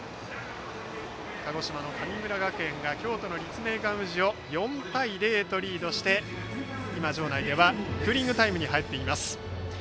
鹿児島の神村学園が京都の立命館宇治を４対０とリードして今、場内はクーリングタイムに入っています。